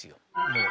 もう。